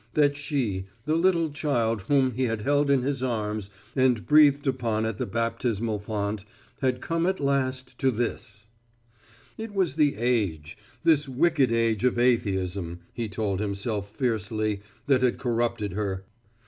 That she the little child whom he had held in his arms and breathed upon at the baptismal font, had come at last to this It was the age, this wicked age of atheism, he told himself fiercely, that had corrupted her.